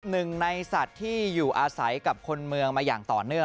หนึ่งในสัตว์ที่อยู่อาศัยกับคนเมืองมาอย่างต่อเนื่อง